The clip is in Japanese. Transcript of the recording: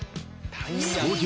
創業